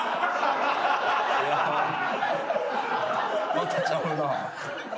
またちゃうな。